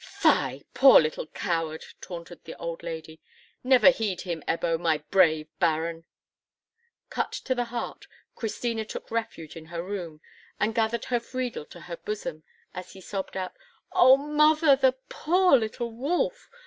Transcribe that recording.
"Fie, poor little coward!" taunted the old lady; "never heed him, Ebbo, my brave Baron!" Cut to the heart, Christina took refuge in her room, and gathered her Friedel to her bosom, as he sobbed out, "Oh, mother, the poor little wolf!